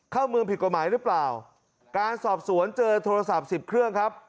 เข้าเมืองผิดกฎหมายหรือเปล่าการสอบสวนเจอโทรศัพท์สิบเครื่องครับ